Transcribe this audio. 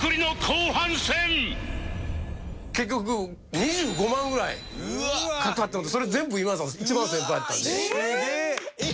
結局２５万ぐらいかかったのでそれ全部今田さん一番先輩やったんで。すげえ！